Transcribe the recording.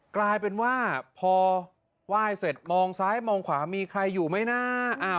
กลายเป็นว่าพอไหว้เสร็จมองซ้ายมองขวามีใครอยู่ไหมนะ